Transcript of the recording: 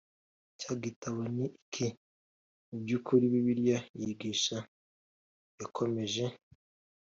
cy igitabo Ni iki mu by ukuri Bibiliya yigisha Yakomeje